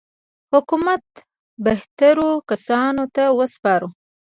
حکومت بهترو کسانو ته وسپارو.